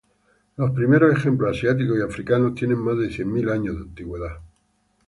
Los primeros ejemplos, asiáticos y africanos, tienen más de cien mil años de antigüedad.